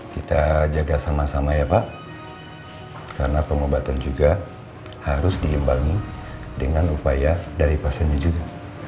kita jaga sama sama ya pak karena pengobatan juga harus diimbangi dengan upaya dari pasiennya juga